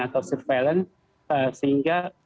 atau penyelidikan sehingga